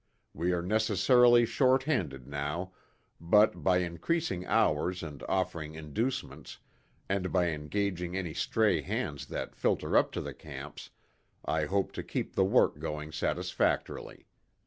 "We are necessarily short handed now, but, by increasing hours and offering inducements, and by engaging any stray hands that filter up to the camps, I hope to keep the work going satisfactorily.